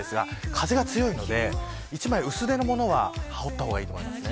風が強いので１枚薄手のものは羽織った方がいいと思います。